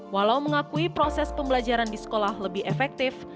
walau mengakui proses pembelajaran di sekolah lebih efektif